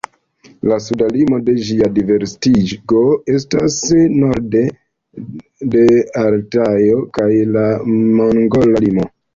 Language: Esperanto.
La suda limo de ĝia disvastigo estas norde de Altajo kaj la mongola limo.